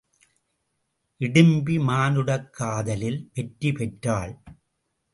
இடிம்பி மானுடக்காதலில் வெற்றி பெற்றாள்.